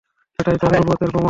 এটাই তাঁর নবুওতের প্রমাণ।